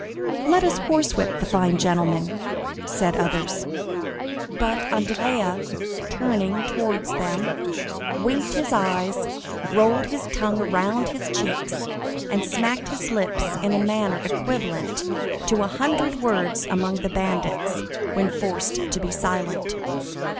"Let us horsewhip the fine gentleman!" said others. But Andrea, turning towards them, winked his eyes, rolled his tongue around his cheeks, and smacked his lips in a manner equivalent to a hundred words among the bandits when forced to be silent.